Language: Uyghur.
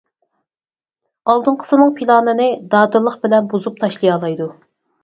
ئالدىنقىسىنىڭ پىلانىنى دادىللىق بىلەن بۇزۇپ تاشلىيالايدۇ.